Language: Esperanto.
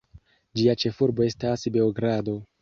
Ĝia ĉefurbo estas Beogrado.